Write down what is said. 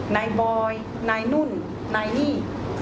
ไนบอยไนนุ่นไนนี่